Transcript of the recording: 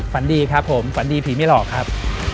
ฝันดีครับผมฝันดีผีไม่หลอกครับ